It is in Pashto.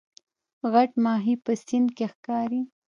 غټ ماهی په سیند کې ښکاري